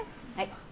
はい。